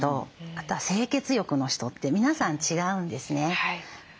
あとは清潔欲の人って皆さん違うんですね。